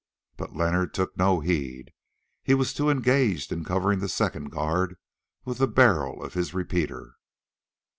But Leonard took no heed, he was too engaged in covering the second guard with the barrel of his repeater.